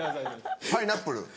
パイナップル。